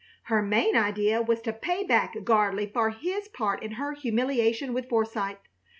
Her main idea was to pay back Gardley for his part in her humiliation with Forsythe.